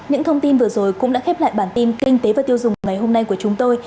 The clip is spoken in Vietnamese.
những thông tin vừa rồi cũng đã khép lại bản tin kinh tế và tiêu dùng ngày hôm nay của chúng tôi